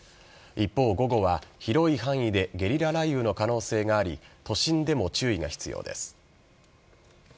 一方、午後は広い範囲でゲリラ雷雨の可能性があり都心でも注意が必要です。